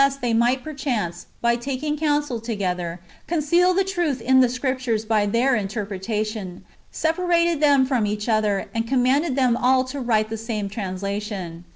353 they might perchance, by taking counsel together, conceal the truth in the Scriptures, by their interpretation, separated them from each other, and commanded them all to write the same translation.